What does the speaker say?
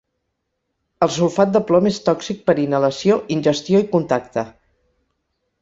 El sulfat de plom és tòxic per inhalació, ingestió i contacte.